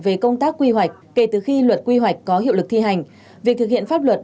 về công tác quy hoạch kể từ khi luật quy hoạch có hiệu lực thi hành việc thực hiện pháp luật